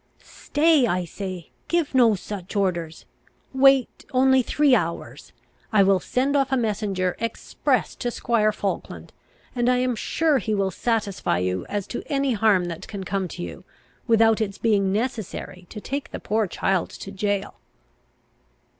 "Stay, I say! Give no such orders! Wait only three hours; I will send off a messenger express to squire Falkland, and I am sure he will satisfy you as to any harm that can come to you, without its being necessary to take the poor child to jail."